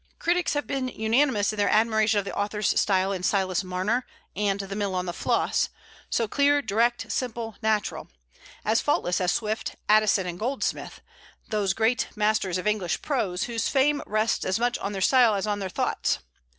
Critics have been unanimous in their admiration of the author's style in "Silas Marner" and "The Mill on the Floss," so clear, direct, simple, natural; as faultless as Swift, Addison, and Goldsmith, those great masters of English prose, whose fame rests as much on their style as on their thoughts.